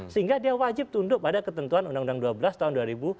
sehingga dia wajib tunduk pada ketentuan undang undang dua belas tahun dua ribu dua